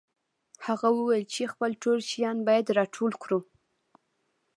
هغه وویل چې خپل ټول شیان باید راټول کړو